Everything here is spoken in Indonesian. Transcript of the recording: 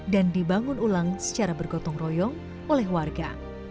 dan dibangun ulang secara bergotong royong oleh warga